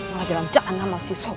malah jalan jalan sama si sob